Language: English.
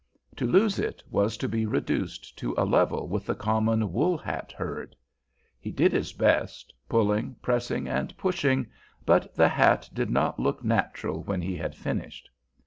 To lose it was to be reduced to a level with the common woolhat herd. He did his best, pulling, pressing, and pushing, but the hat did not look natural when he had finished.